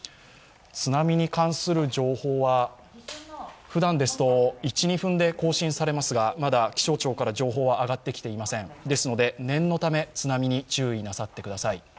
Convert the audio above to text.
津波に関する情報はふだんですと１２分で更新されますが、まだ気象庁から情報が上がってきていませんですので念のため津波に注意なさってください。